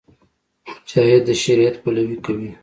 مجاهد د شریعت پلوۍ کوي.